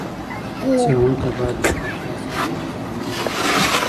څېړونکی باید له خپل کار سره بې پایه مینه ولري.